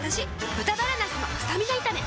「豚バラなすのスタミナ炒め」